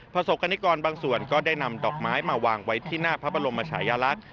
ประสบกรณิกรบางส่วนก็ได้นำดอกไม้มาวางไว้ที่หน้าพระบรมชายลักษณ์